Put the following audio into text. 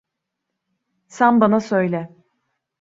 Sen bana söyle.